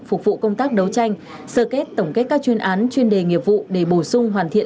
phục vụ công tác đấu tranh sơ kết tổng kết các chuyên án chuyên đề nghiệp vụ để bổ sung hoàn thiện